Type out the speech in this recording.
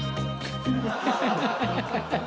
ハハハハ！